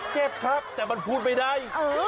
เจ็บครับแต่มันพูดไม่ได้